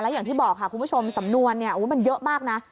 อย่างที่บอกค่ะคุณผู้ชมสำนวนมันเยอะมากนะ